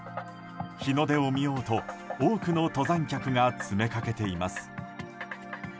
日の出を見ようと多くの登山客が詰めかけています。